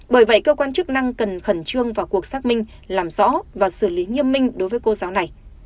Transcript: bởi vậy cơ quan chức năng cần khẩn trương vào cuộc xác minh làm rõ và xử lý nghiêm minh đối với cô giáo này